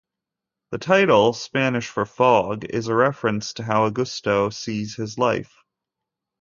The title, Spanish for 'fog', is a reference to how Augusto sees his life.